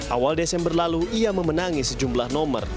awal desember lalu ia memenangi sejumlah nomor